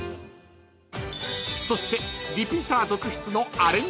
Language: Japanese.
［そしてリピーター続出の］